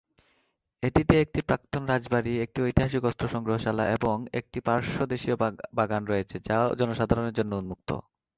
এটিতে একটি প্রাক্তন রাজবাড়ী, একটি ঐতিহাসিক অস্ত্র সংগ্রহশালা এবং একটি পারস্যদেশীয় বাগান রয়েছে, যা জনসাধারণের জন্য উন্মুক্ত।